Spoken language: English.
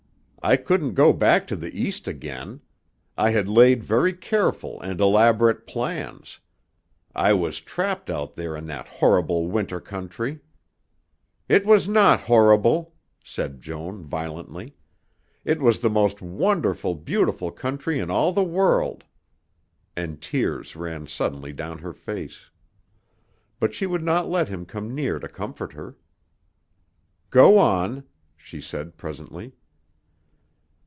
I couldn't go back to the East again. I had laid very careful and elaborate plans. I was trapped out there in that horrible winter country...." "It was not horrible," said Joan violently; "it was the most wonderful, beautiful country in all the world." And tears ran suddenly down her face. But she would not let him come near to comfort her. "Go on," she said presently.